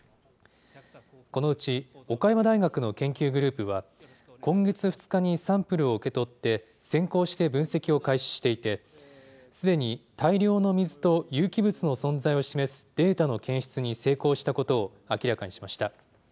このうち岡山大学の研究グループは、今月２日にサンプルを受け取って、先行して分析を開始していて、すでに大量の水と有機物の存在を示すデータの検出に成功したことを明らかにしました。